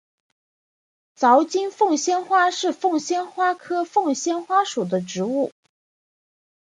槽茎凤仙花是凤仙花科凤仙花属的植物。